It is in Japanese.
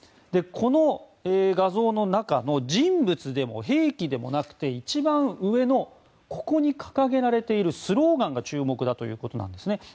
この画像の中の人物でも兵器でもなくて一番上のここに掲げられているスローガンが注目だということなんですね。